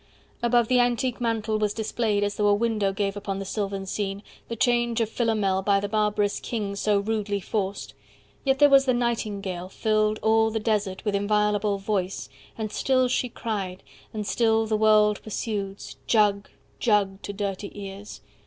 Above the antique mantel was displayed As though a window gave upon the sylvan scene The change of Philomel, by the barbarous king So rudely forced; yet there the nightingale 100 Filled all the desert with inviolable voice And still she cried, and still the world pursues, "Jug Jug" to dirty ears.